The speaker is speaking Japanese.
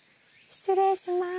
「失礼します」？